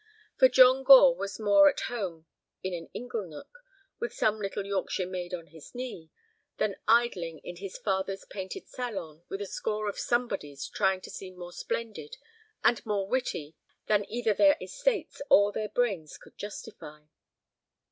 For John Gore was more at home in an ingle nook, with some little Yorkshire maid on his knee, than idling in his father's painted salon with a score of somebodies trying to seem more splendid and more witty than either their estates or their brains could justify.